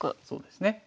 そうですね。